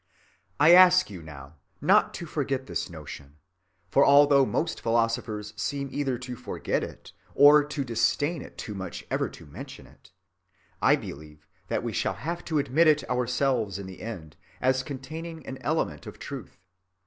I ask you now not to forget this notion; for although most philosophers seem either to forget it or to disdain it too much ever to mention it, I believe that we shall have to admit it ourselves in the end as containing an element of truth.